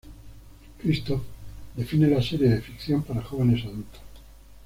Kristoff define la serie de ficción para jóvenes adultos.